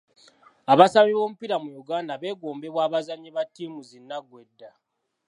Abasambi b'omupiira mu Uganda beegombebwa abazannyi ba ttiimu zi nnaggwedda.